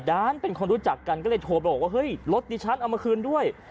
ด้านเป็นคนรู้จักกันก็เลยโทรไปบอกว่าเฮ้ยรถดิฉันเอามาคืนด้วย